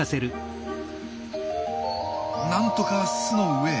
なんとか巣の上へ。